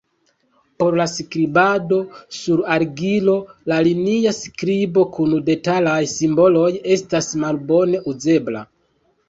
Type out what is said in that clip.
Por la skribado sur argilo, la linia skribo kun detalaj simboloj estas malbone uzebla.